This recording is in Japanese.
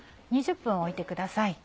２０分置いてください。